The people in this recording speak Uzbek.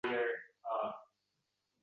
qabul qilinishi mumkin bo‘lsa